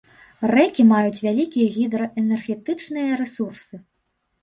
Рэкі маюць вялікія гідраэнергетычныя рэсурсы.